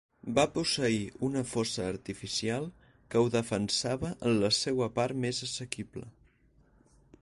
Va posseir una fossa artificial que ho defensava en la seua part més assequible.